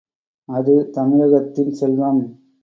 அது தமிழகத்தின் செல்வம்.